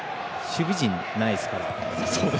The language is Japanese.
守備陣はないですから。